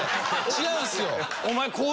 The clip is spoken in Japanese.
違うんですよ。